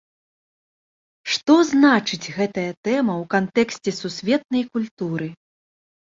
Што значыць гэтая тэма ў кантэксце сусветнай культуры?!